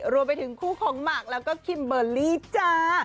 รวมไปถึงคู่ของหมากแล้วก็คิมเบอร์รี่จ้า